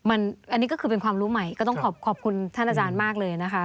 อันนี้ก็คือเป็นความรู้ใหม่ก็ต้องขอขอบคุณท่านอาจารย์มากเลยนะคะ